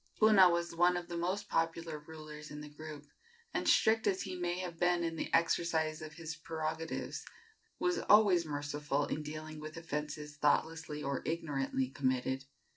Puna was one of the most popular rulers in the group, and, strict as he may have been in the exercise of his prerogatives, was always merciful in dealing with offences thoughtlessly or ignorantly committed.